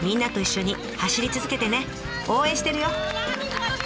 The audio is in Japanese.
応援してるよ！